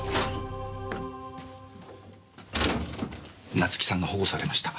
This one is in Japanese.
夏樹さんが保護されました。